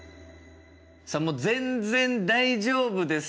さあもう全然大丈夫ですと。